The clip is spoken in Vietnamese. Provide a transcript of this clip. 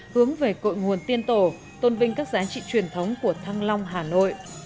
hướng về cội nguồn tiên tổ tôn vinh các giá trị truyền thống của thăng long hà nội